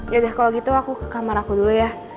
yaudah kalau gitu aku ke kamar aku dulu ya